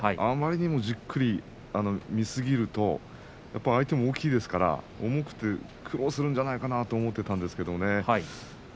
あまりにもじっくり見すぎると相手も大きいですから重くて苦労するんじゃないかなと思っていたんですけどもね。